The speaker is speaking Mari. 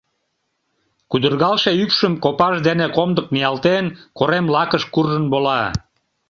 Кудыргалше ӱпшым копаж дене комдык ниялтен, корем лакыш куржын вола.